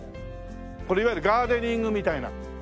これいわゆるガーデニングみたいな。